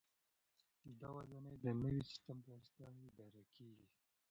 دا ودانۍ د نوي سیسټم په واسطه اداره کیږي.